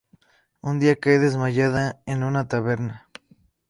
Un día cae desmayada en una taberna.